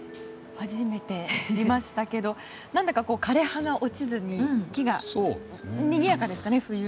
初めて見ましたけど何だか枯れ葉が落ちずに木がにぎやかですかね。